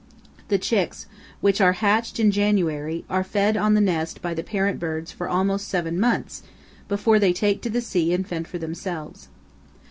The chicks, which are hatched in January, are fed on the nest by the parent birds for almost seven months before they take to the sea and fend for themselves.